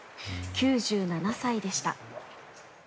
９７歳でした。